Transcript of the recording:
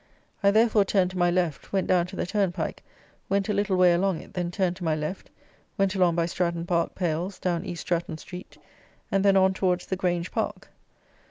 I, therefore, turned to my left, went down to the turnpike, went a little way along it, then turned to my left, went along by Stratton Park pales down East Stratton street, and then on towards the Grange Park.